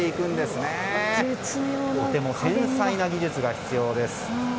とても繊細な技術が必要です。